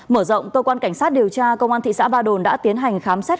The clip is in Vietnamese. mở rộng cơ quan cảnh sát điều tra công an thị xã ba đồn đã tiến hành khám xét